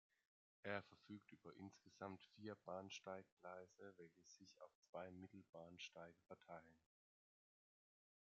Er verfügt über insgesamt vier Bahnsteiggleise, welche sich auf zwei Mittelbahnsteige verteilen.